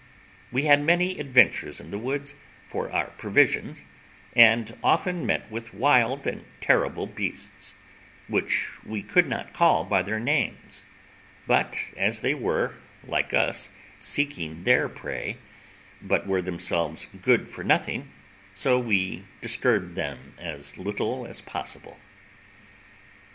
We had many adventures in the woods, for our provisions, and often met with wild and terrible beasts, which we could not call by their names; but as they were, like us, seeking their prey, but were themselves good for nothing, so we disturbed them as little as possible.